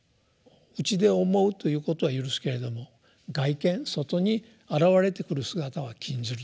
内で想うということは許すけれども「外顕」外に現れてくる姿は禁じると。